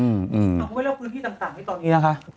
เอาไว้เล่าพื้นที่ต่างที่ตอนนี้นะค่ะ